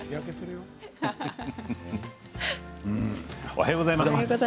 おはようございます。